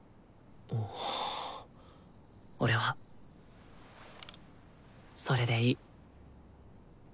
俺はそれでいい。